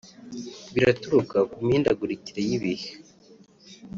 biraturuka ku mihindagurikire y’ibihe